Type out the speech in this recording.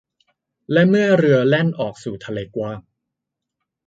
และเมื่อเรือแล่นออกสู่ทะเลกว้าง